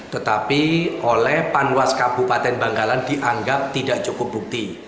tetapi oleh panwas kabupaten bangkalan dianggap tidak cukup bukti